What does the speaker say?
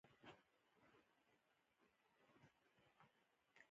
بادام د افغانستان په هره برخه کې په اسانۍ موندل کېږي.